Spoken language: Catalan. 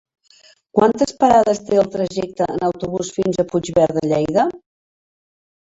Quantes parades té el trajecte en autobús fins a Puigverd de Lleida?